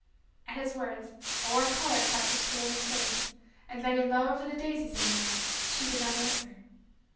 At his words, a warm color crept into the woman's face, and, bending low over the daisies in her lap, she did not answer.